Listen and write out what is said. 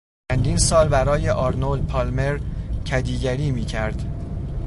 چندین سال برای آرنولد پالمر کدیگری میکرد.